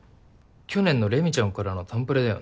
去年のレミちゃんからの誕プレだよね。